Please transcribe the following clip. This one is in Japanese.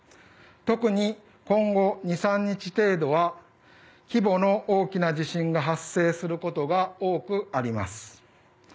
特に今後、２３日程度は規模の大きな地震が発生することが多くあります。